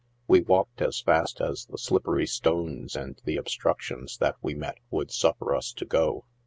We walked as fast as the slippery stones and the obstructions that we met would suffer us to go.